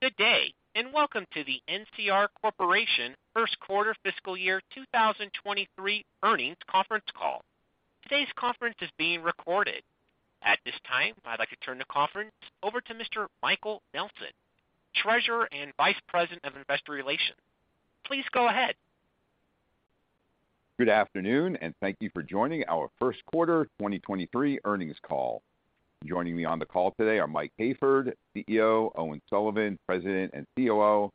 Good day, and welcome to the NCR Corporation first quarter fiscal year 2023 Earnings Conference Call. Today's conference is being recorded. At this time, I'd like to turn the conference over to Mr. Michael Nelson, Treasurer and Vice President of Investor Relations. Please go ahead. Good afternoon, and thank you for joining our first quarter 2023 earnings call. Joining me on the call today are Mike Hayford, CEO, Owen Sullivan, President and COO,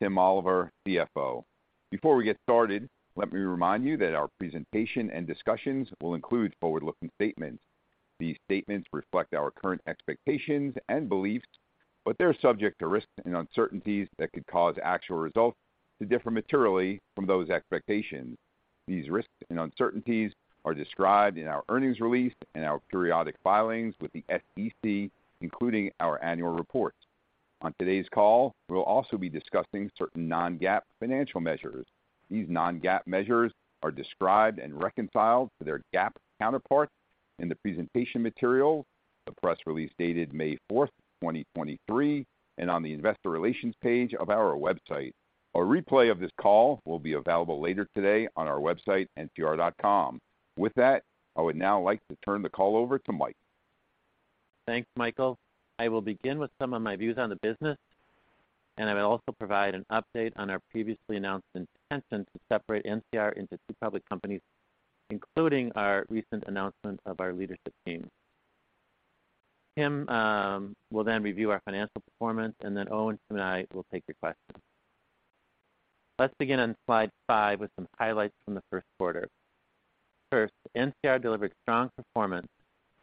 Tim Oliver, CFO. Before we get started, let me remind you that our presentation and discussions will include forward-looking statements. These statements reflect our current expectations and beliefs, they're subject to risks and uncertainties that could cause actual results to differ materially from those expectations. These risks and uncertainties are described in our earnings release and our periodic filings with the SEC, including our annual reports. On today's call, we'll also be discussing certain non-GAAP financial measures. These non-GAAP measures are described and reconciled to their GAAP counterpart in the presentation material, the press release dated May 4th, 2023, and on the investor relations page of our website. A replay of this call will be available later today on our website, ncr.com. With that, I would now like to turn the call over to Mike. Thanks, Michael. I will begin with some of my views on the business, and I will also provide an update on our previously announced intention to separate NCR into two public companies, including our recent announcement of our leadership team. Tim will then review our financial performance, and then Owen, Tim, and I will take your questions. Let's begin on slide five with some highlights from the first quarter. First, NCR delivered strong performance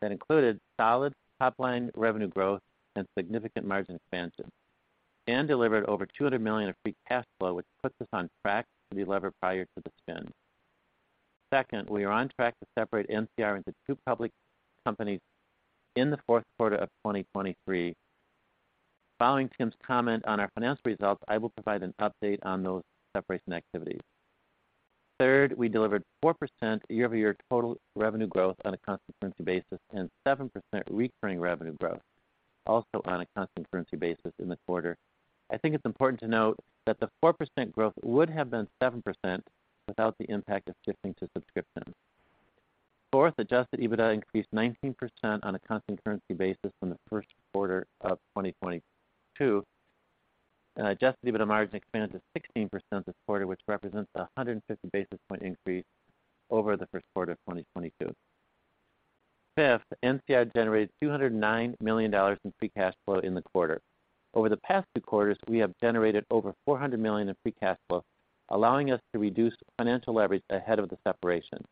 that included solid top-line revenue growth and significant margin expansion and delivered over $200 million of free cash flow, which puts us on track to be levered prior to the spin. Second, we are on track to separate NCR into two public companies in the fourth quarter of 2023. Following Tim's comment on our financial results, I will provide an update on those separation activities. Third, we delivered 4% year-over-year total revenue growth on a constant currency basis and 7% recurring revenue growth, also on a constant currency basis in the quarter. I think it's important to note that the 4% growth would have been 7% without the impact of shifting to subscription. Fourth, adjusted EBITDA increased 19% on a constant currency basis from the first quarter of 2022. Adjusted EBITDA margin expanded to 16% this quarter, which represents a 150 basis point increase over the first quarter of 2022. Fifth, NCR generated $209 million in free cash flow in the quarter. Over the past two quarters, we have generated over $400 million in free cash flow, allowing us to reduce financial leverage ahead of the separation.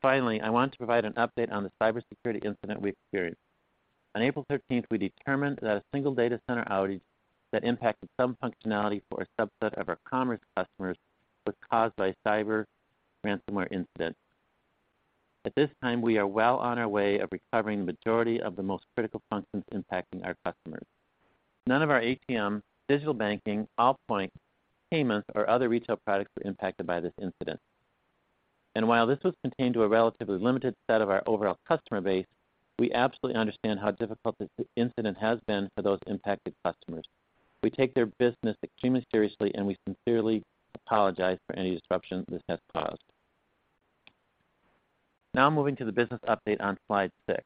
Finally, I want to provide an update on the cybersecurity incident we experienced. On April 13th, we determined that a single data center outage that impacted some functionality for a subset of our Commerce customers was caused by a cyber ransomware incident. At this time, we are well on our way of recovering the majority of the most critical functions impacting our customers. None of our ATM, digital banking, Allpoint payments, or other retail products were impacted by this incident. While this was contained to a relatively limited set of our overall customer base, we absolutely understand how difficult this incident has been for those impacted customers. We take their business extremely seriously, and we sincerely apologize for any disruption this has caused. Now moving to the business update on slide six.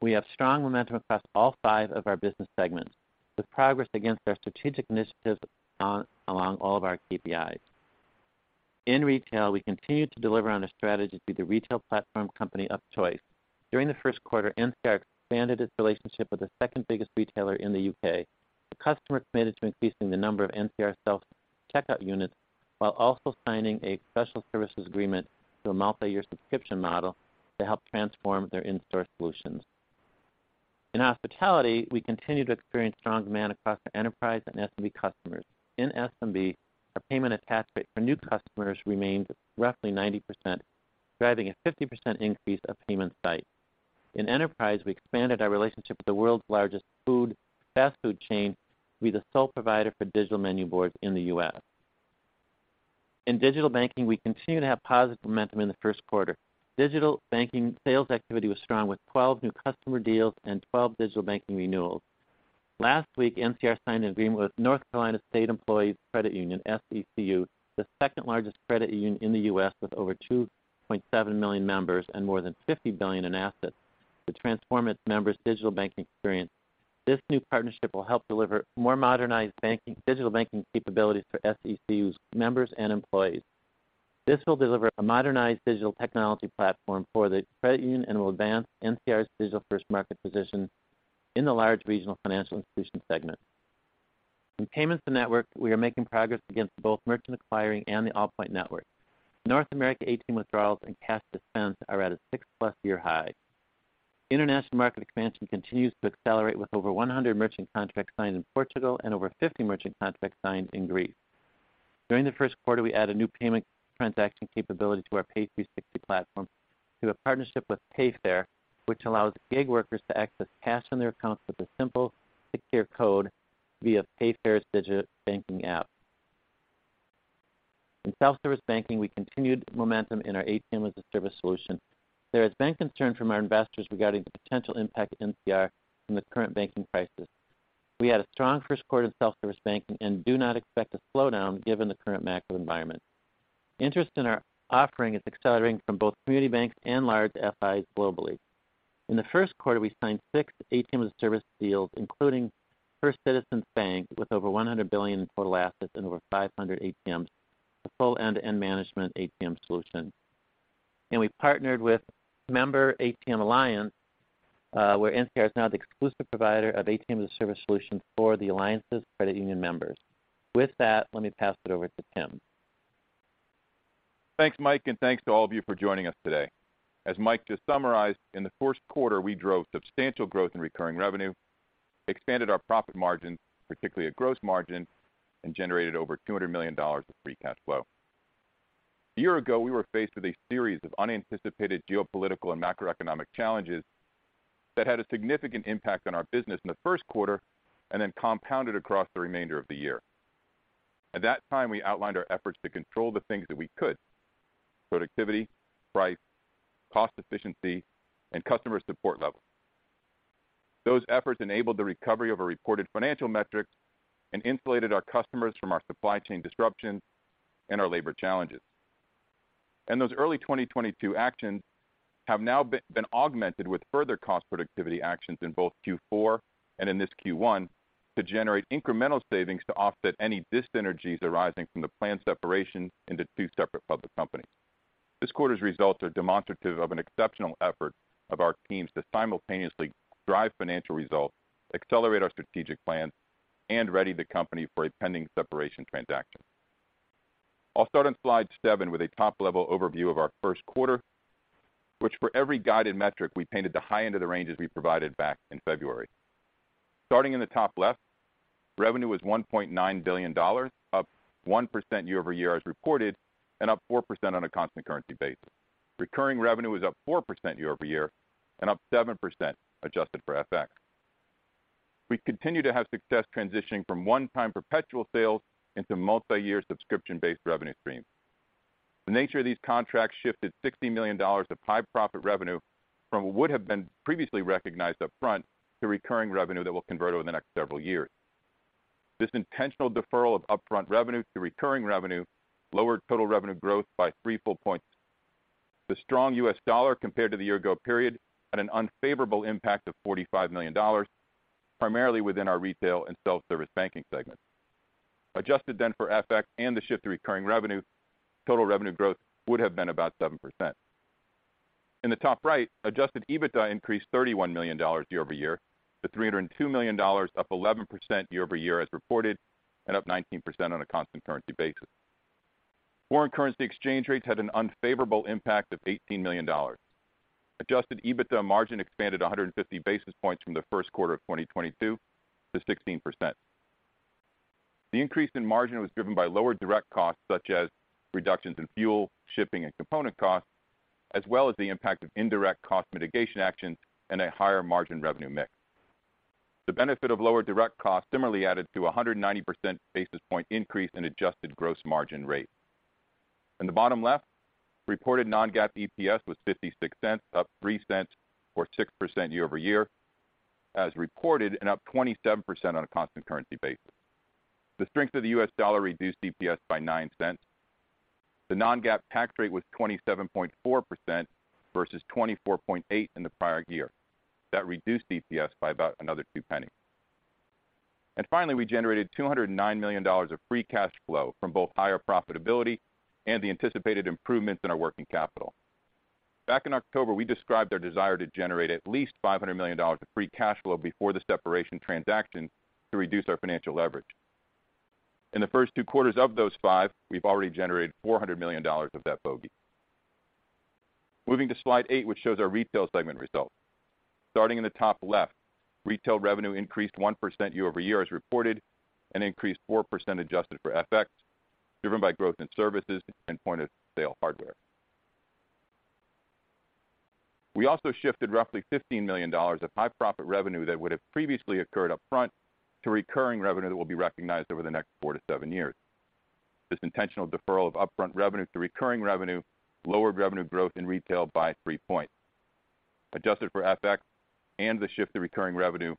We have strong momentum across all five of our business segments, with progress against our strategic initiatives along all of our KPIs. In retail, we continue to deliver on a strategy to be the retail platform company of choice. During the first quarter, NCR expanded its relationship with the second biggest retailer in the U.K. The customer committed to increasing the number of NCR self-checkout units while also signing a special services agreement through a multi-year subscription model to help transform their in-store solutions. In hospitality, we continue to experience strong demand across the enterprise and SMB customers. In SMB, our payment attach rate for new customers remains roughly 90%, driving a 50% increase of payments site. In enterprise, we expanded our relationship with the world's largest fast food chain to be the sole provider for digital menu boards in the U.S. In digital banking, we continue to have positive momentum in the first quarter. Digital banking sales activity was strong, with 12 new customer deals and 12 digital banking renewals. Last week, NCR signed an agreement with North Carolina State Employees' Credit Union, SECU, the second-largest credit union in the U.S. with over 2.7 million members and more than $50 billion in assets, to transform its members' digital banking experience. This new partnership will help deliver more modernized banking, digital banking capabilities for SECU's members and employees. This will deliver a modernized digital technology platform for the credit union and will advance NCR's digital-first market position in the large regional financial institution segment. In payments network, we are making progress against both merchant acquiring and the Allpoint network. North America ATM withdrawals and cash dispense are at a 6+ year high. International market expansion continues to accelerate with over 100 merchant contracts signed in Portugal and over 50 merchant contracts signed in Greece. During the first quarter, we added a new payment transaction capability to our Pay360 platform through a partnership with Payfare, which allows gig workers to access cash from their accounts with a simple 6-0 code via Payfare's digital banking app. In self-service banking, we continued momentum in our ATM as a Service solution. There is bank concern from our investors regarding the potential impact of NCR in the current banking crisis. We had a strong first quarter in self-service banking and do not expect a slowdown given the current macro environment. Interest in our offering is accelerating from both community banks and large FIs globally. In the first quarter, we signed six ATM as a Service deals, including First Citizens Bank with over $100 billion in total assets and over 500 ATMs, a full end-to-end management ATM solution. We partnered with Member ATM Alliance, where NCR is now the exclusive provider of ATM as a Service solution for the alliance's credit union members. With that, let me pass it over to Tim. Thanks, Mike, and thanks to all of you for joining us today. As Mike just summarized, in the first quarter we drove substantial growth in recurring revenue, expanded our profit margins, particularly at gross margin, and generated over $200 million of free cash flow. A year ago, we were faced with a series of unanticipated geopolitical and macroeconomic challenges that had a significant impact on our business in the first quarter and then compounded across the remainder of the year. At that time, we outlined our efforts to control the things that we could: productivity, price, cost efficiency, and customer support levels. Those efforts enabled the recovery of our reported financial metrics and insulated our customers from our supply chain disruptions and our labor challenges. Those early 2022 actions have now been augmented with further cost productivity actions in both Q4 and in this Q1 to generate incremental savings to offset any dis-synergies arising from the planned separation into two separate public companies. This quarter's results are demonstrative of an exceptional effort of our teams to simultaneously drive financial results, accelerate our strategic plans, and ready the company for a pending separation transaction. I'll start on slide seven with a top-level overview of our first quarter, which for every guided metric we painted the high end of the ranges we provided back in February. Starting in the top left, revenue was $1.9 billion, up 1% year-over-year as reported, and up 4% on a constant currency basis. Recurring revenue was up 4% year-over-year and up 7% adjusted for FX. We continue to have success transitioning from one-time perpetual sales into multiyear subscription-based revenue streams. The nature of these contracts shifted $60 million of high profit revenue from what would have been previously recognized upfront to recurring revenue that we'll convert over the next several years. This intentional deferral of upfront revenue to recurring revenue lowered total revenue growth by three full points. The strong U.S. dollar compared to the year ago period had an unfavorable impact of $45 million, primarily within our retail and self-service banking segment. Adjusted then for FX and the shift to recurring revenue, total revenue growth would have been about 7%. In the top right, adjusted EBITDA increased $31 million year-over-year to $302 million, up 11% year-over-year as reported, and up 19% on a constant currency basis. Foreign currency exchange rates had an unfavorable impact of $18 million. adjusted EBITDA margin expanded 150 basis points from the first quarter of 2022 to 16%. The increase in margin was driven by lower direct costs such as reductions in fuel, shipping, and component costs, as well as the impact of indirect cost mitigation actions and a higher margin revenue mix. The benefit of lower direct costs similarly added to a 190 percent basis point increase in adjusted gross margin rate. In the bottom left, reported non-GAAP EPS was $0.56, up $0.03 or 6% year-over-year as reported and up 27% on a constant currency basis. The strength of the U.S. dollar reduced EPS by $0.09. The non-GAAP tax rate was 27.4% versus 24.8% in the prior year. That reduced EPS by about another $0.02. Finally, we generated $209 million of free cash flow from both higher profitability and the anticipated improvements in our working capital. Back in October, we described our desire to generate at least $500 million of free cash flow before the separation transaction to reduce our financial leverage. In the first two quarters of those five, we've already generated $400 million of that bogey. Moving to slide eight, which shows our retail segment results. Starting in the top left, retail revenue increased 1% year-over-year as reported and increased 4% adjusted for FX, driven by growth in services and point-of-sale hardware. We also shifted roughly $15 million of high profit revenue that would have previously occurred upfront to recurring revenue that will be recognized over the next four to seven years. This intentional deferral of upfront revenue to recurring revenue lowered revenue growth in retail by points. Adjusted for FX and the shift to recurring revenue,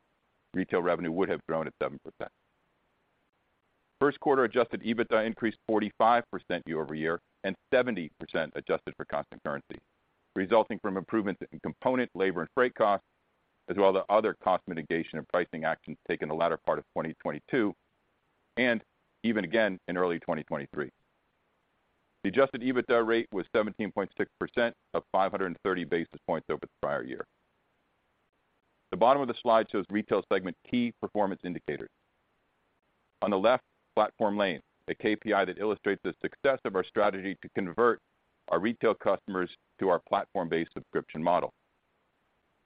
retail revenue would have grown at 7%. First quarter adjusted EBITDA increased 45% year-over-year and 70% adjusted for constant currency, resulting from improvements in component, labor, and freight costs, as well as other cost mitigation and pricing actions taken in the latter part of 2022 and even again in early 2023. The adjusted EBITDA rate was 17.6%, up 530 basis points over the prior year. The bottom of the slide shows retail segment key performance indicators. On the left, platform lane, a KPI that illustrates the success of our strategy to convert our retail customers to our platform-based subscription model.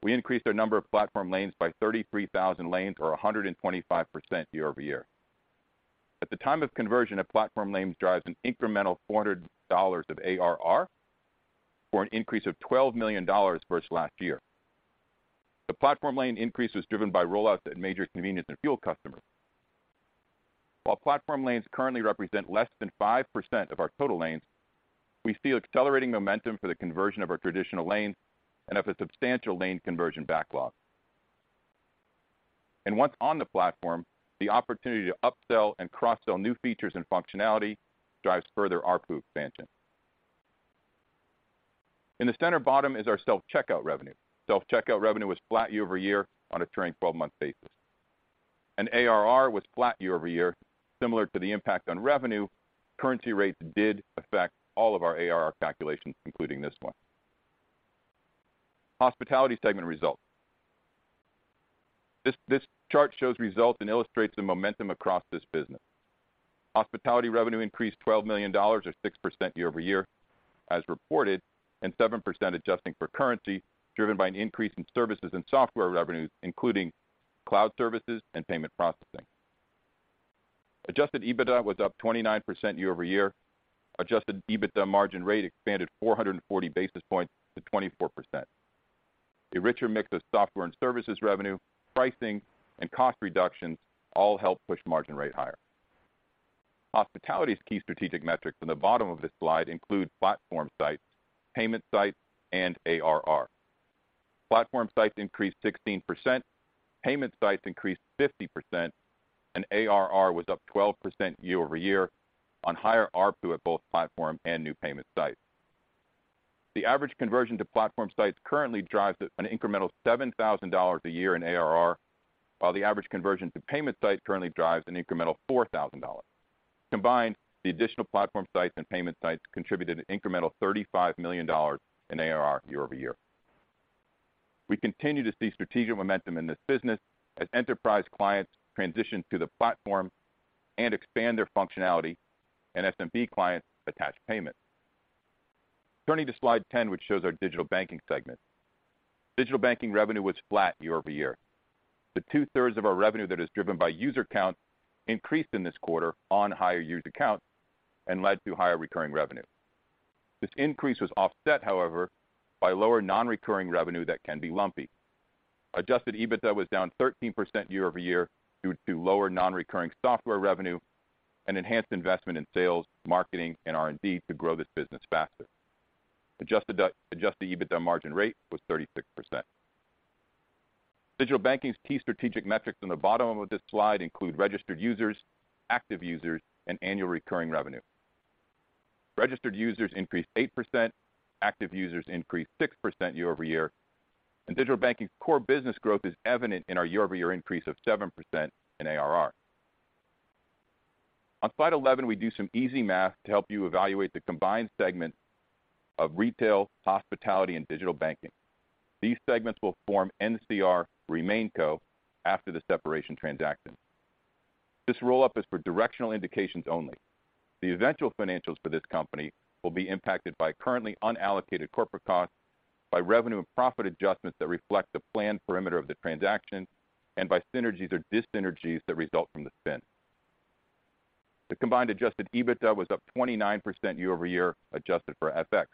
We increased our number of platform lanes by 33,000 lanes or 125% year-over-year. At the time of conversion, a platform lane drives an incremental $400 of ARR for an increase of $12 million versus last year. The platform lane increase was driven by rollouts at major convenience and fuel customers. While platform lanes currently represent less than 5% of our total lanes, we see accelerating momentum for the conversion of our traditional lanes and have a substantial lane conversion backlog. Once on the platform, the opportunity to upsell and cross-sell new features and functionality drives further ARPU expansion. In the center bottom is our self-checkout revenue. Self-checkout revenue was flat year-over-year on a trailing 12-month basis. ARR was flat year-over-year similar to the impact on revenue. Currency rates did affect all of our ARR calculations, including this one. Hospitality segment results. This chart shows results and illustrates the momentum across this business. Hospitality revenue increased $12 million or 6% year-over-year as reported, and 7% adjusting for currency, driven by an increase in services and software revenues, including cloud services and payment processing. Adjusted EBITDA was up 29% year-over-year. Adjusted EBITDA margin rate expanded 440 basis points to 24%. A richer mix of software and services revenue, pricing, and cost reductions all help push margin rate higher. Hospitality's key strategic metrics in the bottom of this slide include platform sites, payment sites, and ARR. platform sites increased 16%, payment sites increased 50%, and ARR was up 12% year-over-year on higher ARPU at both platform and new payment sites. The average conversion to platform sites currently drives an incremental $7,000 a year in ARR, while the average conversion to payment sites currently drives an incremental $4,000. Combined, the additional platform sites and payment sites contributed an incremental $35 million in ARR year-over-year. We continue to see strategic momentum in this business as enterprise clients transition to the platform and expand their functionality and SMB clients attach payment. Turning to slide 10, which shows our digital banking segment. Digital banking revenue was flat year-over-year. The 2/3 of our revenue that is driven by user count increased in this quarter on higher user count and led to higher recurring revenue. This increase was offset, however, by lower non-recurring revenue that can be lumpy. Adjusted EBITDA was down 13% year-over-year due to lower non-recurring software revenue and enhanced investment in sales, marketing, and R&D to grow this business faster. Adjusted EBITDA margin rate was 36%. Digital banking's key strategic metrics in the bottom of this slide include registered users, active users, and annual recurring revenue. Registered users increased 8%, active users increased 6% year-over-year, and digital banking core business growth is evident in our year-over-year increase of 7% in ARR. On slide 11, we do some easy math to help you evaluate the combined segment of retail, hospitality, and digital banking. These segments will form NCR RemainCo after the separation transaction. This roll-up is for directional indications only. The eventual financials for this company will be impacted by currently unallocated corporate costs, by revenue and profit adjustments that reflect the planned perimeter of the transaction, and by synergies or dis-synergies that result from the spin. The combined adjusted EBITDA was up 29% year-over-year, adjusted for FX,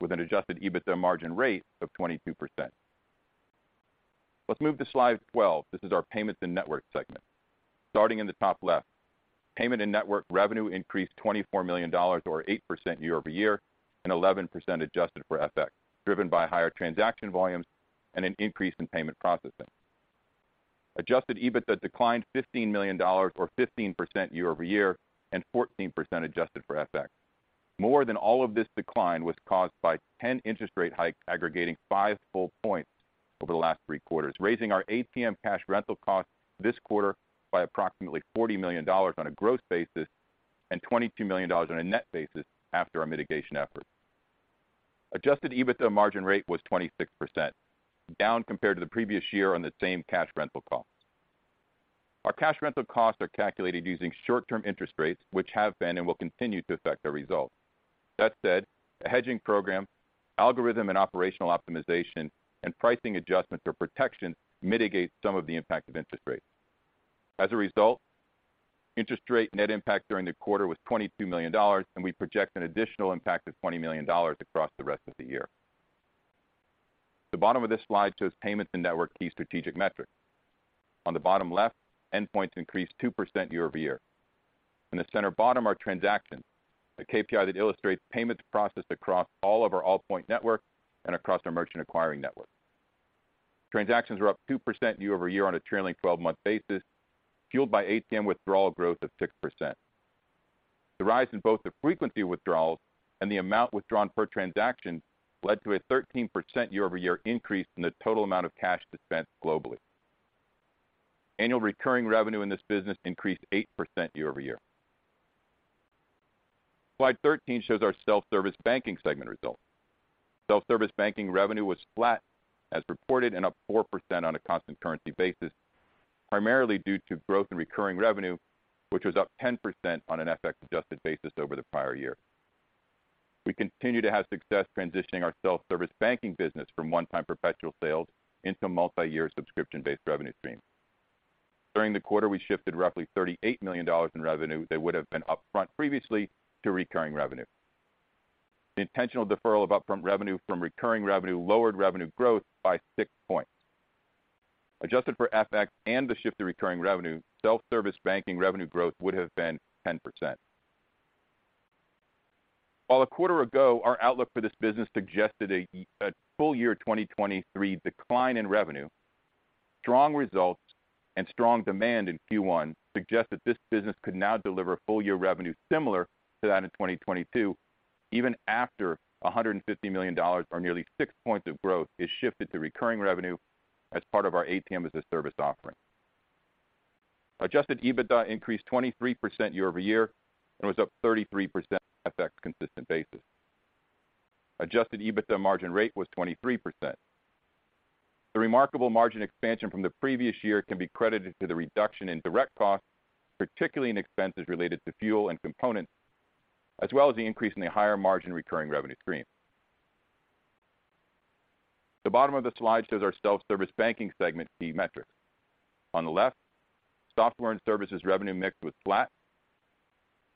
with an adjusted EBITDA margin rate of 22%. Let's move to slide 12. This is our payments and network segment. Starting in the top left, payment and network revenue increased $24 million or 8% year-over-year and 11% adjusted for FX, driven by higher transaction volumes and an increase in payment processing. Adjusted EBITDA declined $15 million or 15% year-over-year and 14% adjusted for FX. More than all of this decline was caused by 10 interest rate hikes aggregating five full points over the last three quarters, raising our ATM cash rental cost this quarter by approximately $40 million on a gross basis and $22 million on a net basis after our mitigation efforts. Adjusted EBITDA margin rate was 26%, down compared to the previous year on the same cash rental costs. Our cash rental costs are calculated using short-term interest rates, which have been and will continue to affect our results. That said, a hedging program, algorithm and operational optimization, and pricing adjustments or protection mitigate some of the impact of interest rates. As a result, interest rate net impact during the quarter was $22 million, and we project an additional impact of $20 million across the rest of the year. The bottom of this slide shows payments and network key strategic metrics. On the bottom left, endpoints increased 2% year-over-year. In the center bottom are transactions, a KPI that illustrates payments processed across all of our Allpoint network and across our merchant acquiring network. Transactions were up 2% year-over-year on a trailing 12-month basis, fueled by ATM withdrawal growth of 6%. The rise in both the frequency of withdrawals and the amount withdrawn per transaction led to a 13% year-over-year increase in the total amount of cash dispensed globally. Annual recurring revenue in this business increased 8% year-over-year. Slide 13 shows our self-service banking segment results. Self-service banking revenue was flat as reported and up 4% on a constant currency basis, primarily due to growth in recurring revenue, which was up 10% on an FX-adjusted basis over the prior year. We continue to have success transitioning our self-service banking business from one-time perpetual sales into multi-year subscription-based revenue stream. During the quarter, we shifted roughly $38 million in revenue that would have been upfront previously to recurring revenue. The intentional deferral of upfront revenue from recurring revenue lowered revenue growth by six points. Adjusted for FX and the shift to recurring revenue, self-service banking revenue growth would have been 10%. While a quarter ago, our outlook for this business suggested a full year 2023 decline in revenue, strong results and strong demand in Q1 suggest that this business could now deliver full-year revenue similar to that in 2022, even after $150 million, or nearly six points of growth, is shifted to recurring revenue as part of our ATM as a Service offering. Adjusted EBITDA increased 23% year-over-year and was up 33% FX consistent basis. Adjusted EBITDA margin rate was 23%. The remarkable margin expansion from the previous year can be credited to the reduction in direct costs, particularly in expenses related to fuel and components, as well as the increase in the higher margin recurring revenue stream. The bottom of the slide shows our self-service banking segment fee metrics. On the left, software and services revenue mix was flat.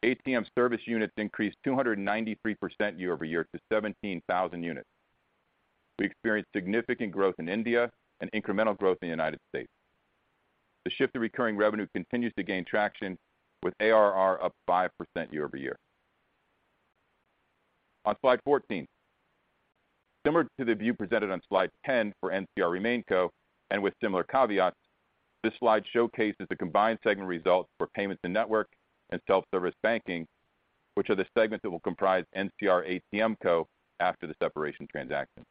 ATM service units increased 293% year-over-year to 17,000 units. We experienced significant growth in India and incremental growth in the United States. The shift to recurring revenue continues to gain traction, with ARR up 5% year-over-year. On slide 14, similar to the view presented on slide 10 for NCR RemainCo and with similar caveats, this slide showcases the combined segment results for payments and network and self-service banking, which are the segments that will comprise NCR ATMCo after the separation transaction.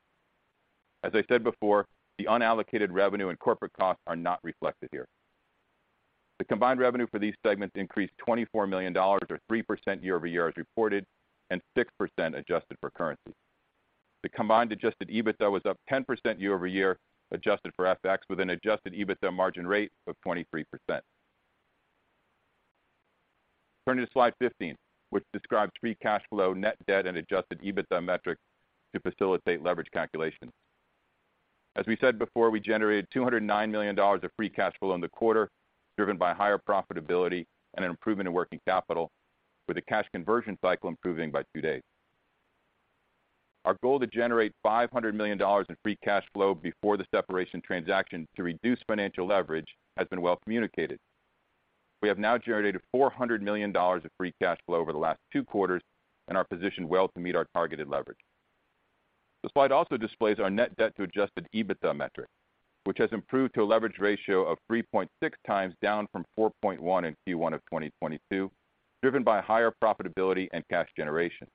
As I said before, the unallocated revenue and corporate costs are not reflected here. The combined revenue for these segments increased $24 million, or 3% year-over-year as reported, and 6% adjusted for currency. The combined adjusted EBITDA was up 10% year-over-year, adjusted for FX, with an adjusted EBITDA margin rate of 23%. Turning to slide 15, which describes free cash flow, net debt, and adjusted EBITDA metrics to facilitate leverage calculations. As we said before, we generated $209 million of free cash flow in the quarter, driven by higher profitability and an improvement in working capital, with the cash conversion cycle improving by two days. Our goal to generate $500 million in free cash flow before the separation transaction to reduce financial leverage has been well communicated. We have now generated $400 million of free cash flow over the last two quarters and are positioned well to meet our targeted leverage. The slide also displays our net debt to adjusted EBITDA metric, which has improved to a leverage ratio of 3.6x, down from 4.1 in Q1 of 2022, driven by higher profitability and cash generation.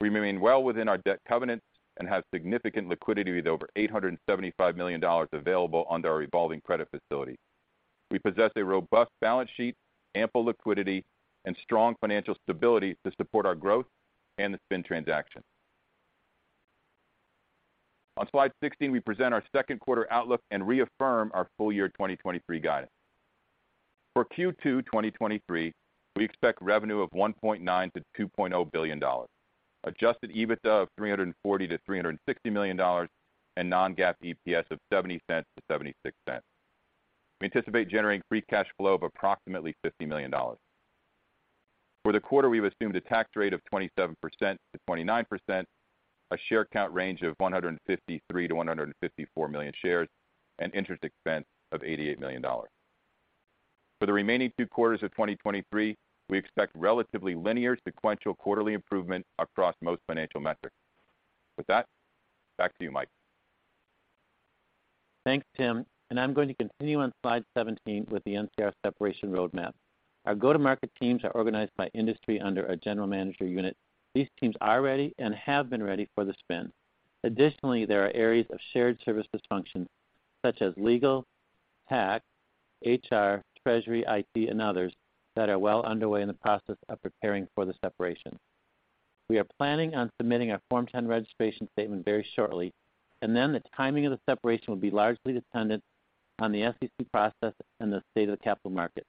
We remain well within our debt covenants and have significant liquidity with over $875 million available under our revolving credit facility. We possess a robust balance sheet, ample liquidity, and strong financial stability to support our growth and the spin transaction. On slide 16, we present our second quarter outlook and reaffirm our full year 2023 guidance. For Q2 2023, we expect revenue of $1.9 billion-$2.0 billion, adjusted EBITDA of $340 million-$360 million, and non-GAAP EPS of $0.70-$0.76. We anticipate generating free cash flow of approximately $50 million. For the quarter, we've assumed a tax rate of 27%-29%, a share count range of 153 million-154 million shares, and interest expense of $88 million. For the remaining two quarters of 2023, we expect relatively linear sequential quarterly improvement across most financial metrics. With that, back to you, Mike. Thanks, Tim. I'm going to continue on slide 17 with the NCR separation roadmap. Our go-to-market teams are organized by industry under a general manager unit. These teams are ready and have been ready for the spin. Additionally, there are areas of shared services functions such as legal, tax, HR, treasury, IT, and others that are well underway in the process of preparing for the separation. We are planning on submitting our Form 10 registration statement very shortly, and then the timing of the separation will be largely dependent on the SEC process and the state of the capital market.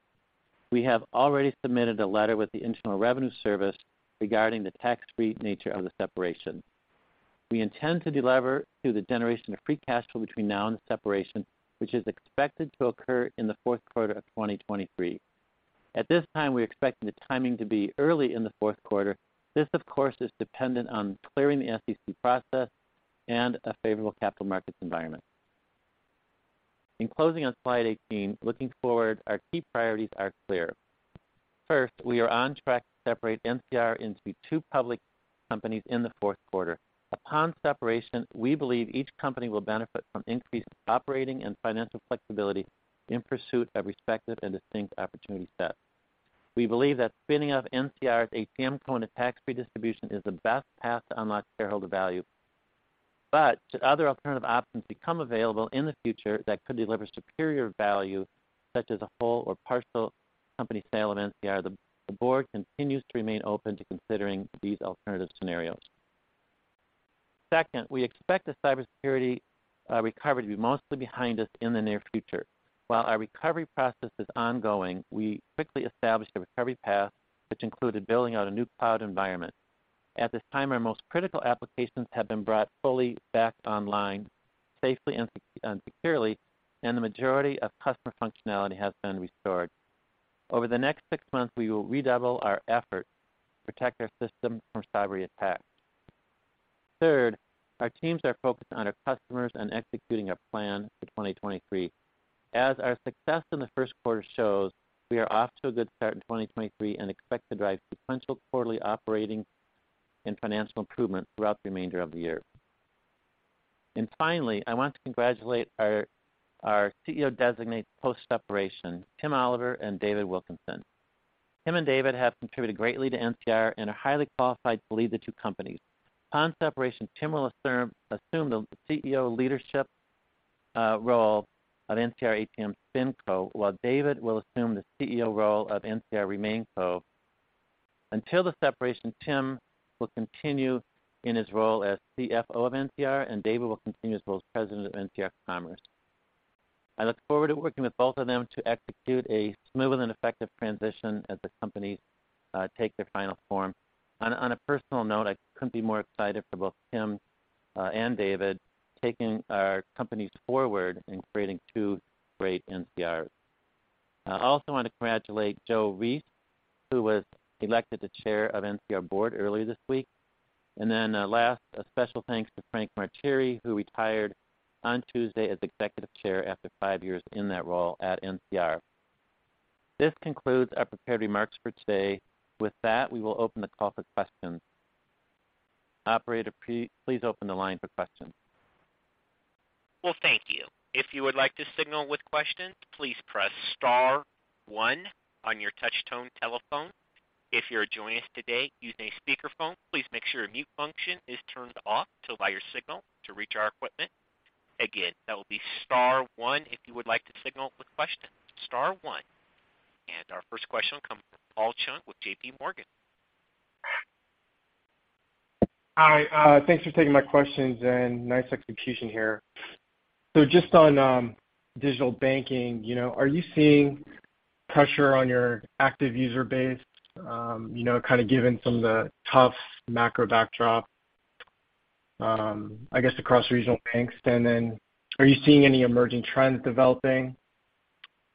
We have already submitted a letter with the Internal Revenue Service regarding the tax-free nature of the separation. We intend to delever through the generation of free cash flow between now and the separation, which is expected to occur in the fourth quarter of 2023. At this time, we expect the timing to be early in the fourth quarter. This, of course, is dependent on clearing the SEC process and a favorable capital markets environment. In closing on slide 18, looking forward, our key priorities are clear. First, we are on track to separate NCR into two public companies in the fourth quarter. Upon separation, we believe each company will benefit from increased operating and financial flexibility in pursuit of respective and distinct opportunity sets. We believe that spinning out NCR as ATMCo in a tax-free distribution is the best path to unlock shareholder value. Should other alternative options become available in the future that could deliver superior value, such as a whole or partial company sale of NCR, the board continues to remain open to considering these alternative scenarios. Second, we expect the cybersecurity recovry to be mostly behind us in the near future. While our recovery process is ongoing, we quickly established a recovery path, which included building out a new cloud environment. At this time, our most critical applications have been brought fully back online safely and securely, and the majority of customer functionality has been restored. Over the next six months, we will redouble our efforts to protect our system from cyber attacks. Third, our teams are focused on our customers and executing a plan for 2023. As our success in the 1st quarter shows, we are off to a good start in 2023 and expect to drive sequential quarterly operating and financial improvement throughout the remainder of the year. Finally, I want to congratulate our CEO Designate post-separation, Tim Oliver and David Wilkinson. Tim and David have contributed greatly to NCR and are highly qualified to lead the two companies. Upon separation, Tim will assume the CEO leadership role of NCR ATM SpinCo, while David will assume the CEO role of NCR RemainCo. Until the separation, Tim will continue in his role as CFO of NCR, and David will continue his role as President of NCR Commerce. I look forward to working with both of them to execute a smooth and effective transition as the companies take their final form. On a personal note, I couldn't be more excited for both Tim and David taking our companies forward and creating two great NCRs. I also want to congratulate Joseph Reece, who was elected the Chairman of NCR Board earlier this week. Last, a special thanks to Frank Martire, who retired on Tuesday as Executive Chairman after five years in that role at NCR. This concludes our prepared remarks for today. With that, we will open the call for questions. Operator, please open the line for questions. Well, thank you. If you would like to signal with questions, please press star one on your touch tone telephone. If you're joining us today using a speakerphone, please make sure your mute function is turned off to allow your signal to reach our equipment. Again, that will be star one if you would like to signal with question. Star one. Our first question will come from Paul Chung with JPMorgan. Hi, thanks for taking my questions, and nice execution here. Just on digital banking, you know, are you seeing pressure on your active user base, you know, kind of given some of the tough macro backdrop, I guess across regional banks? Are you seeing any emerging trends developing?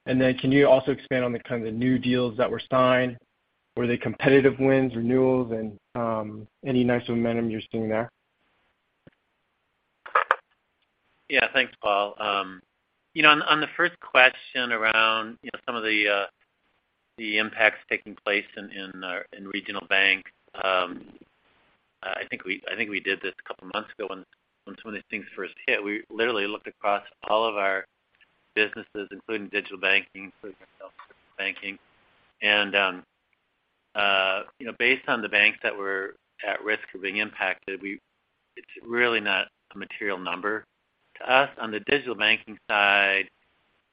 Can you also expand on the kind of the new deals that were signed, were they competitive wins, renewals, and any nice momentum you're seeing there? Thanks, Paul. You know, on the first question around, you know, some of the impacts taking place in regional bank, I think we did this a couple months ago when some of these things first hit. We literally looked across all of our businesses, including digital banking, including self-service banking. You know, based on the banks that were at risk of being impacted, it's really not a material number to us. On the digital banking side,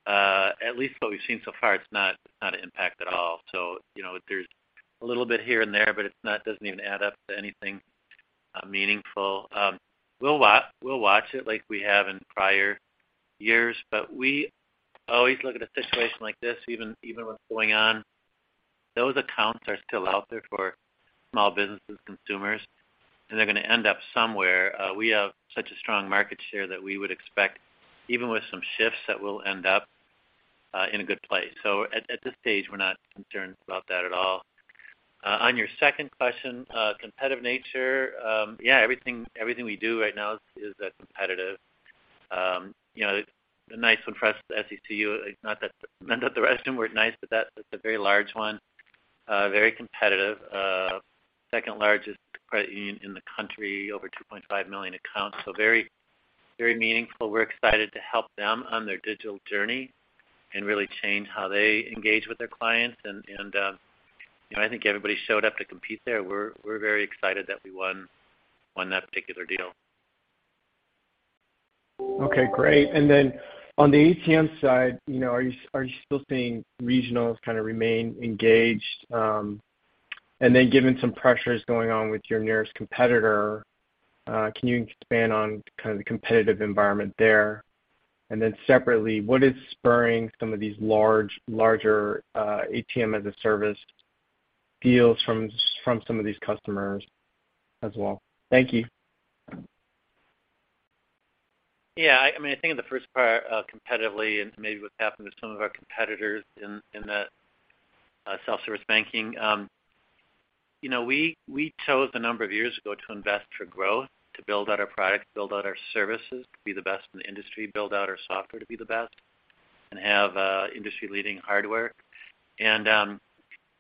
at least what we've seen so far, it's not an impact at all. You know, there's a little bit here and there, but it doesn't even add up to anything meaningful. We'll watch it like we have in prior years. We always look at a situation like this, even what's going on, those accounts are still out there for small businesses, consumers, and they're going to end up somewhere. We have such a strong market share that we would expect, even with some shifts, that we'll end up in a good place. At this stage, we're not concerned about that at all. On your second question, competitive nature, yeah, everything we do right now is competitive. You know, the nice one for us, the SECU, it's not that the rest of them weren't nice, but that's a very large one, very competitive, second-largest credit union in the country, over 2.5 million accounts, so very, very meaningful. We're excited to help them on their digital journey and really change how they engage with their clients. You know, I think everybody showed up to compete there. We're very excited that we won that particular deal. Okay, great. On the ATM side, you know, are you still seeing regionals kind of remain engaged? Given some pressures going on with your nearest competitor, can you expand on kind of the competitive environment there? Separately, what is spurring some of these larger ATM as a Service deals from some of these customers as well? Thank you. Yeah, I mean, I think in the first part, competitively and maybe what's happened with some of our competitors in the self-service banking, you know, we chose a number of years ago to invest for growth, to build out our products, build out our services, to be the best in the industry, build out our software to be the best, and have industry-leading hardware.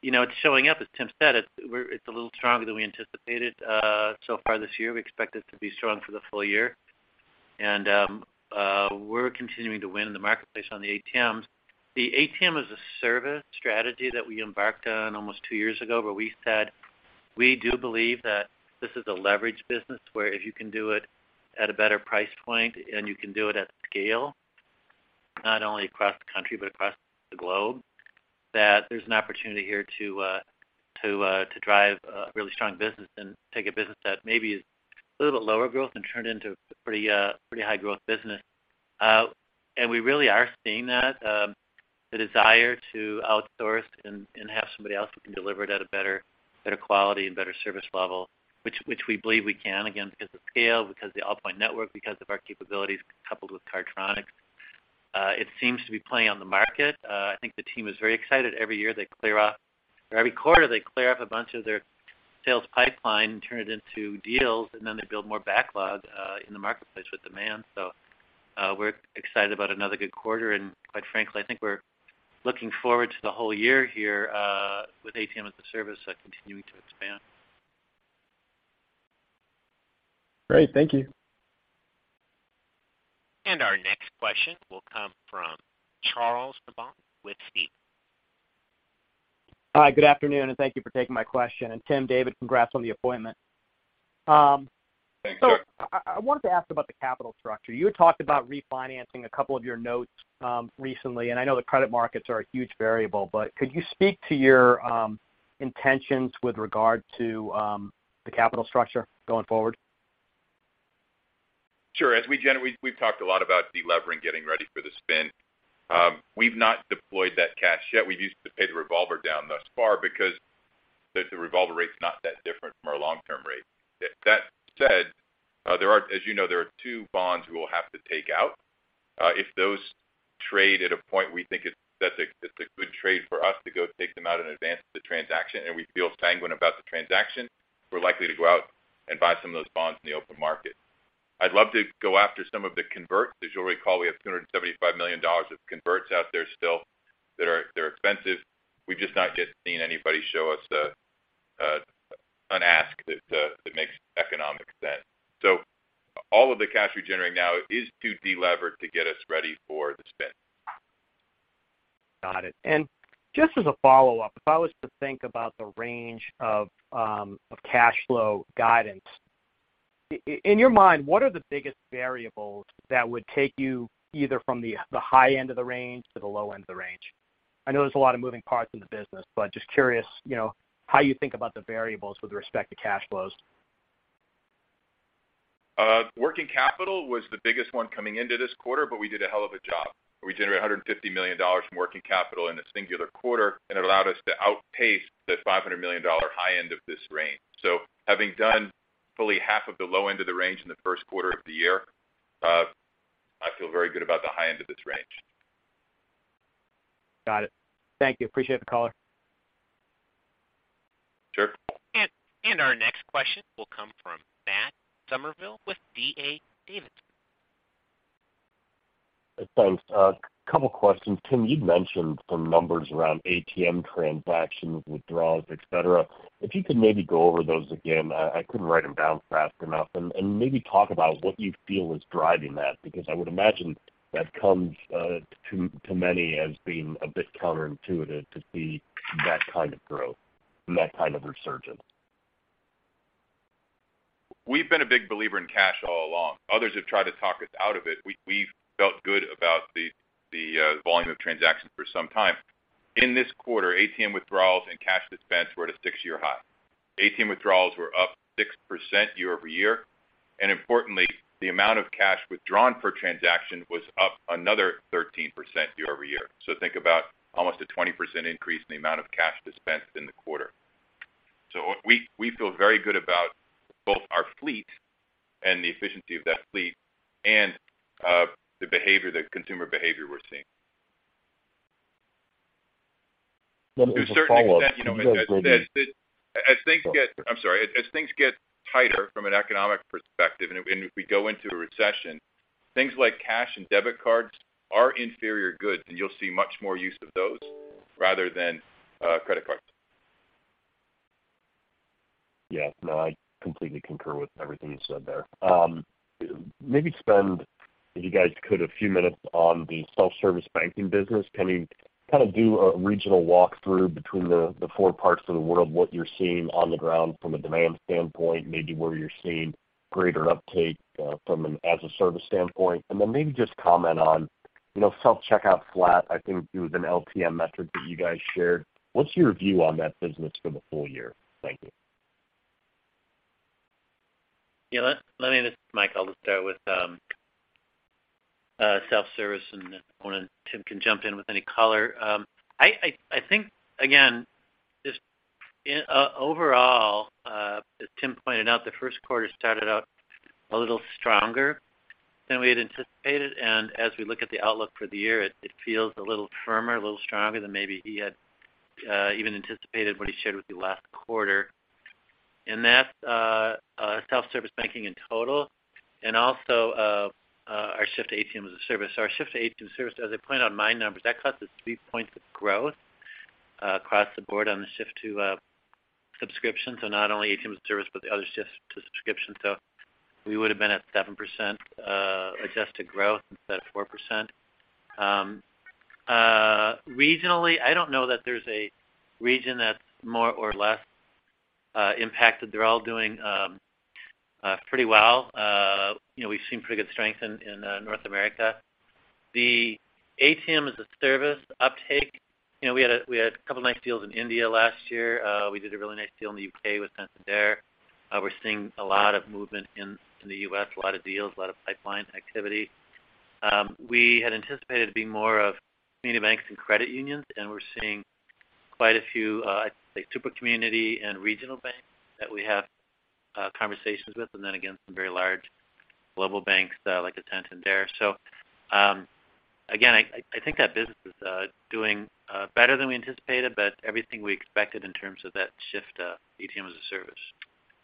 You know, it's showing up, as Tim said, it's a little stronger than we anticipated so far this year. We expect it to be strong for the full year. We're continuing to win in the marketplace on the ATMs. The ATM as a Service strategy that we embarked on almost two years ago, where we said, we do believe that this is a leverage business, where if you can do it at a better price point, and you can do it at scale, not only across the country but across the globe, that there's an opportunity here to drive a really strong business and take a business that maybe is a little bit lower growth and turn it into a pretty high growth business. We really are seeing that, the desire to outsource and have somebody else who can deliver it at a better quality and better service level, which we believe we can, again, because the scale, because the Allpoint network, because of our capabilities coupled with Cardtronics. It seems to be playing on the market. I think the team is very excited. Every year or every quarter they clear up a bunch of their sales pipeline and turn it into deals, and then they build more backlog in the marketplace with demand. We're excited about another good quarter, and quite frankly, I think we're looking forward to the whole year here with ATM as a Service continuing to expand. Great. Thank you. Our next question will come from Charles Nabhan with Stephens. Hi, good afternoon, and thank you for taking my question. Tim, David, congrats on the appointment. Thanks, sir. I wanted to ask about the capital structure. You had talked about refinancing a couple of your notes recently, and I know the credit markets are a huge variable, but could you speak to your intentions with regard to the capital structure going forward? Sure. As we've talked a lot about delevering, getting ready for the spin. We've not deployed that cash yet. We've used it to pay the revolver down thus far because the revolver rate's not that different from our long-term rate. That said, there are, as you know, there are two bonds we will have to take out. If those trade at a point we think that's a good trade for us to go take them out in advance of the transaction, we feel sanguine about the transaction, we're likely to go out and buy some of those bonds in the open market. I'd love to go after some of the converts. As you'll recall, we have $275 million of converts out there still that are, they're expensive. We've just not yet seen anybody show us an ask that makes economic sense. All of the cash we're generating now is to delever to get us ready for the spin. Got it. Just as a follow-up, if I was to think about the range of cash flow guidance, in your mind, what are the biggest variables that would take you either from the high end of the range to the low end of the range? I know there's a lot of moving parts in the business, but just curious, you know, how you think about the variables with respect to cash flows. Working capital was the biggest one coming into this quarter, we did a hell of a job. We generated $150 million from working capital in a singular quarter, it allowed us to outpace the $500 million high end of this range. Having done fully half of the low end of the range in the first quarter of the year, I feel very good about the high end of this range. Got it. Thank you. Appreciate the color. Sure. Our next question will come from Matt Summerville with D.A. Davidson. Thanks. Couple questions. Tim, you'd mentioned some numbers around ATM transactions, withdrawals, et cetera. If you could maybe go over those again, I couldn't write them down fast enough. Maybe talk about what you feel is driving that, because I would imagine that comes to many as being a bit counterintuitive to see that kind of growth and that kind of resurgence. We've been a big believer in cash all along. Others have tried to talk us out of it. We've felt good about the volume of transactions for some time. In this quarter, ATM withdrawals and cash dispense were at a six-year high. ATM withdrawals were up 6% year-over-year, and importantly, the amount of cash withdrawn per transaction was up another 13% year-over-year. Think about almost a 20% increase in the amount of cash dispensed in the quarter. We feel very good about both our fleet and the efficiency of that fleet and the consumer behavior we're seeing. As a follow-up. To a certain extent, you know, as I said, as things get tighter from an economic perspective, and if we go into a recession, things like cash and debit cards are inferior goods, and you'll see much more use of those rather than credit cards. Yeah. No, I completely concur with everything you said there. Maybe spend, if you guys could, a few minutes on the self-service banking business. Can you kind of do a regional walkthrough between the four parts of the world, what you're seeing on the ground from a demand standpoint, maybe where you're seeing greater uptake from an as-a-service standpoint? Then maybe just comment on, you know, self-checkout flat. I think it was an LTM metric that you guys shared. What's your view on that business for the full year? Thank you. Yeah. Let me. This is Mike. I'll just start with self-service, and then Tim can jump in with any color. I think, again, overall, as Tim pointed out, the first quarter started out a little stronger than we had anticipated, and as we look at the outlook for the year, it feels a little firmer, a little stronger than maybe he had even anticipated what he shared with you last quarter. That's self-service banking in total and also our shift to ATM as a Service. Our shift to ATM as a Service, as I pointed out in my numbers, that caused us three points of growth across the board on the shift to subscription. Not only ATM as a Service, but the other shift to subscription. We would've been at 7% adjusted growth instead of 4%. Regionally, I don't know that there's a region that's more or less impacted. They're all doing pretty well. You know, we've seen pretty good strength in North America. The ATM as a Service uptake, you know, we had a couple nice deals in India last year. We did a really nice deal in the U.K. with Santander. We're seeing a lot of movement in the U.S., a lot of deals, a lot of pipeline activity. We had anticipated it being more of community banks and credit unions, and we're seeing quite a few, I'd say super community and regional banks that we have conversations with, and then again, some very large global banks, like I said, Santander. again, I think that business is doing better than we anticipated, but everything we expected in terms of that shift, ATM as a Service.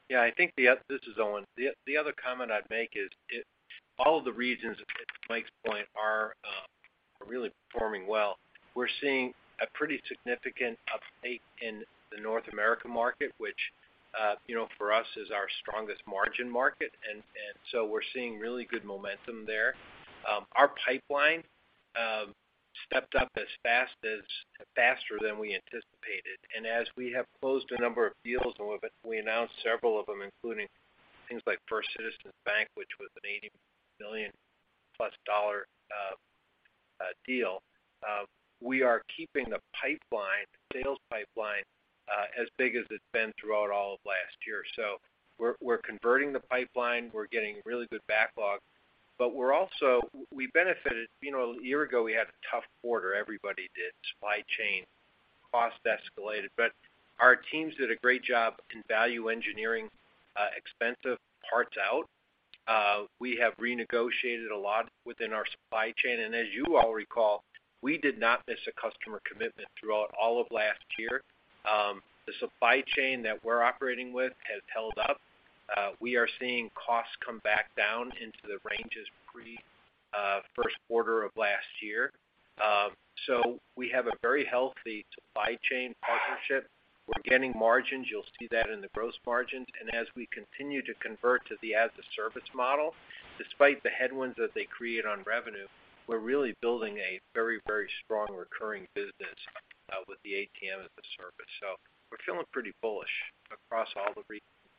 Yeah, I think this is Owen. The other comment I'd make is all of the regions, to Mike's point, are really performing well. We're seeing a pretty significant uptake in the North America market, which, you know, for us is our strongest margin market. We're seeing really good momentum there. Our pipeline stepped up faster than we anticipated. As we have closed a number of deals, we announced several of them, including things like First Citizens Bank, which was an $80 million-plus deal, we are keeping the pipeline, sales pipeline, as big as it's been throughout all of last year. We're converting the pipeline, we're getting really good backlog, but we also benefited. You know, a year ago, we had a tough quarter. Everybody did. Supply chain cost escalated. Our teams did a great job in value engineering, expensive parts out. We have renegotiated a lot within our supply chain. As you all recall, we did not miss a customer commitment throughout all of last year. The supply chain that we're operating with has held up. We are seeing costs come back down into the ranges pre, first quarter of last year. We have a very healthy supply chain partnership. We're getting margins. You'll see that in the gross margins. As we continue to convert to the ATM as a Service model, despite the headwinds that they create on revenue, we're really building a very, very strong recurring business, with the ATM as a Service. We're feeling pretty bullish across all the regions to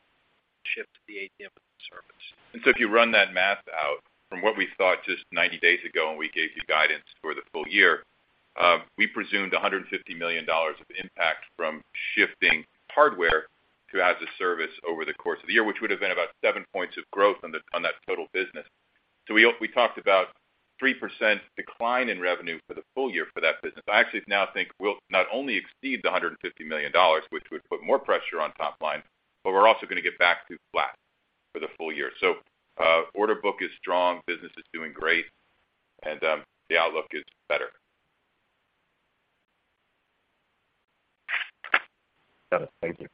shift to the ATM as a Service. If you run that math out from what we thought just 90 days ago when we gave you guidance for the full year, we presumed $150 million of impact from shifting hardware to as a service over the course of the year, which would have been about seven points of growth on that total business. We talked about 3% decline in revenue for the full year for that business. I actually now think we'll not only exceed the $150 million, which would put more pressure on top line, but we're also gonna get back to flat for the full year. Order book is strong, business is doing great, and the outlook is better. Got it. Thank you.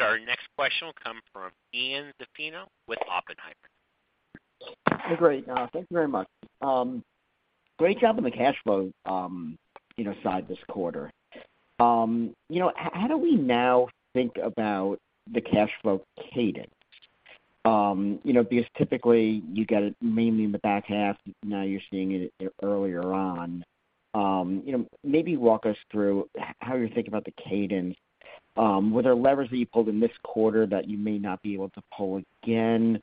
Our next question will come from Ian Zaffino with Oppenheimer. Great. Thank you very much. Great job on the cash flow, you know, side this quarter. You know, how do we now think about the cash flow cadence? You know, because typically you got it mainly in the back half, now you're seeing it earlier on. You know, maybe walk us through how you think about the cadence. Were there levers that you pulled in this quarter that you may not be able to pull again?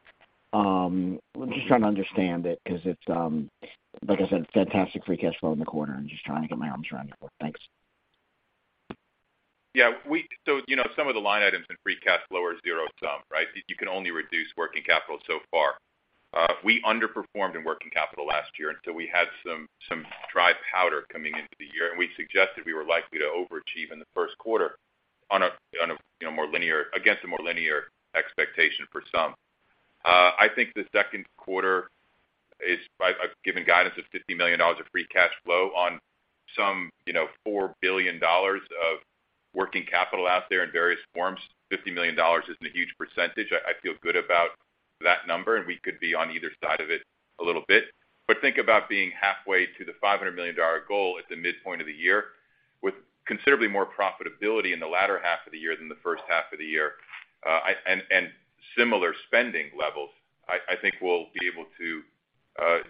I'm just trying to understand it because it's, like I said, fantastic free cash flow in the quarter. I'm just trying to get my arms around it. Thanks. You know, some of the line items in free cash flow are zero sum, right? You can only reduce working capital so far. We underperformed in working capital last year, we had some dry powder coming into the year, we suggested we were likely to overachieve in the first quarter on a, you know, against a more linear expectation for some. I think the second quarter I've given guidance of $50 million of free cash flow on some, you know, $4 billion of working capital out there in various forms. $50 million isn't a huge percentage. I feel good about that number, we could be on either side of it a little bit. Think about being halfway to the $500 million goal at the midpoint of the year with considerably more profitability in the latter half of the year than the first half of the year, and similar spending levels. I think we'll be able to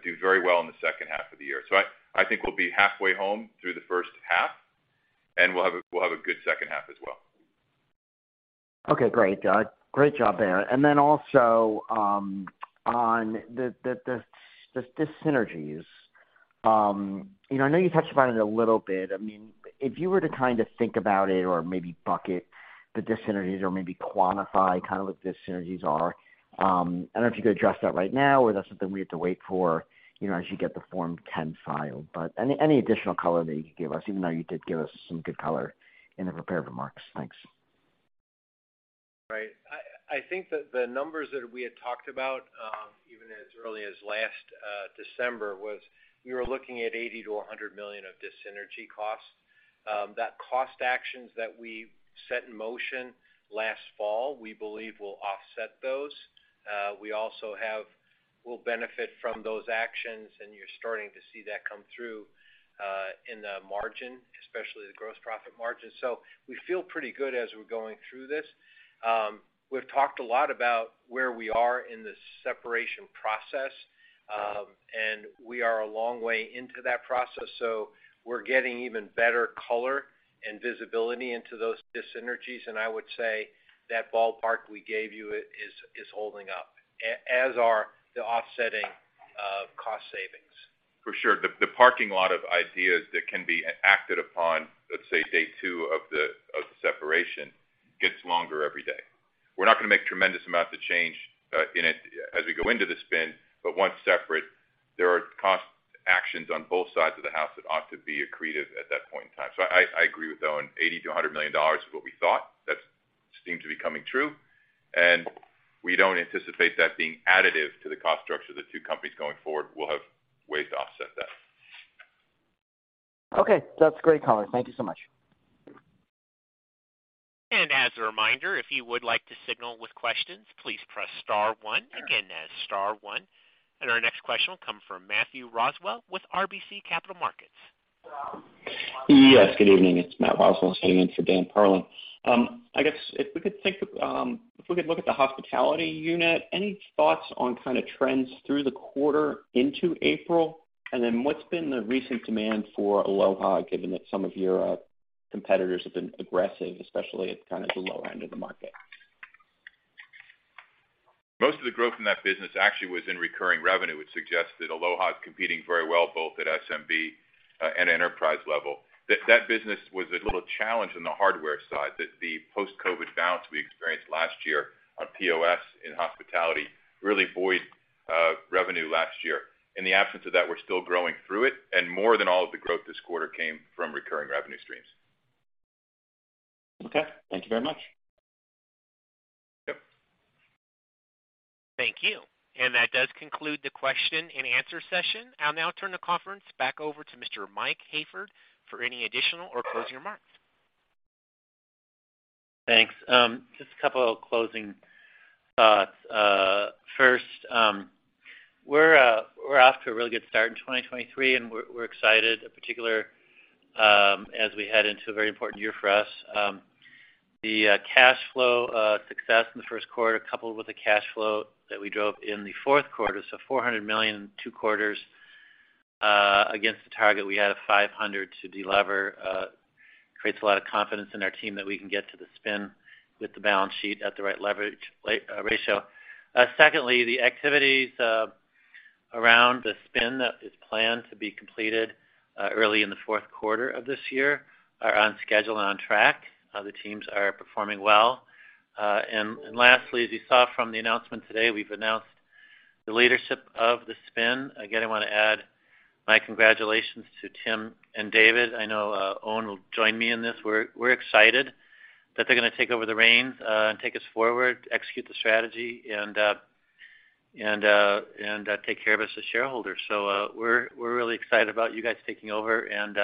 do very well in the second half of the year. I think we'll be halfway home through the first half, and we'll have a good second half as well. Okay, great. Great job there. Then also, on the dis-synergies. You know, I know you touched upon it a little bit. I mean, if you were to kind of think about it or maybe bucket the dis-synergies or maybe quantify kind of what the dis-synergies are, I don't know if you could address that right now or that's something we have to wait for, you know, as you get the Form 10 filed. Any additional color that you could give us, even though you did give us some good color in the prepared remarks. Thanks. Right. I think that the numbers that we had talked about, even as early as last December was we were looking at $80 million-$100 million of dis-synergy costs. That cost actions that we set in motion last fall, we believe will offset those. We also will benefit from those actions, and you're starting to see that come through in the margin, especially the gross profit margin. We feel pretty good as we're going through this. We've talked a lot about where we are in the separation process, and we are a long way into that process, so we're getting even better color and visibility into those dis-synergies. I would say that ballpark we gave you is holding up, as are the offsetting For sure. The parking lot of ideas that can be acted upon, let's say day two of the separation, gets longer every day. We're not gonna make tremendous amounts of change in it as we go into the spin, but once separate, there are cost actions on both sides of the house that ought to be accretive at that point in time. I agree with Owen, $80 million-$100 million is what we thought. That seems to be coming true, and we don't anticipate that being additive to the cost structure of the two companies going forward. We'll have ways to offset that. Okay. That's great, Colin. Thank you so much. As a reminder, if you would like to signal with questions, please press star one. Again, that's star one. Our next question will come from Matt Roswell with RBC Capital Markets. Yes. Good evening. It's Matt Roswell sitting in for Dan Perlin. I guess if we could look at the hospitality unit, any thoughts on kinda trends through the quarter into April. What's been the recent demand for Aloha, given that some of your competitors have been aggressive, especially at kinda the low end of the market? Most of the growth in that business actually was in recurring revenue, which suggests that Aloha is competing very well both at SMB and enterprise level. That business was a little challenged on the hardware side, that the post-COVID bounce we experienced last year on POS in hospitality really buoyed revenue last year. In the absence of that, we're still growing through it, and more than all of the growth this quarter came from recurring revenue streams. Okay. Thank you very much. Yep. Thank you. That does conclude the question and answer session. I'll now turn the conference back over to Mr. Mike Hayford for any additional or closing remarks. Thanks. Just a couple of closing thoughts. First, we're off to a really good start in 2023, and we're excited, in particular, as we head into a very important year for us. The cash flow success in the first quarter, coupled with the cash flow that we drove in the fourth quarter, so $400 million two quarters, against the target we had of $500 million to delever, creates a lot of confidence in our team that we can get to the spin with the balance sheet at the right leverage ratio. Secondly, the activities around the spin that is planned to be completed early in the fourth quarter of this year are on schedule and on track. The teams are performing well. Lastly, as you saw from the announcement today, we've announced the leadership of the spin. Again, I wanna add my congratulations to Tim and David. I know Owen will join me in this. We're excited that they're gonna take over the reins and take us forward, execute the strategy and take care of us as shareholders. We're really excited about you guys taking over and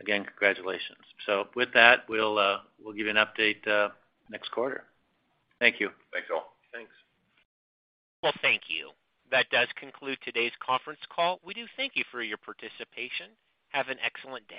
again, congratulations. With that, we'll give you an update next quarter. Thank you. Thanks all. Thanks. Well, thank you. That does conclude today's conference call. We do thank you for your participation. Have an excellent day.